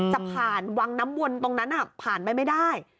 จะผ่านวังน้ำวนตรงนั้นผ่านไปไม่ได้